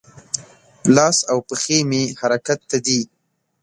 لاس او پښې مې حرکت ته دي.